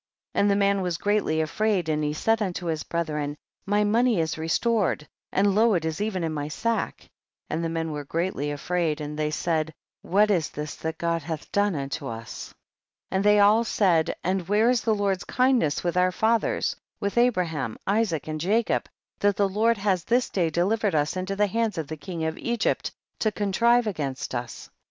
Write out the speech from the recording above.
49. And the man was greatly afraid, and he said unto his brethren, my money is restored and lo, it is even in my sack, and the men were greatly afraid, and they said, what is this that God hath done unto us ? 50. And they all said, and where is the Lord's kindness with our fathers, with Abraham, Isaac and Jacob, that the Jjord has this day delivered us into the hands of the king of Egypt to contrive against us